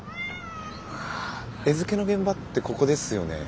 餌付けの現場ってここですよね？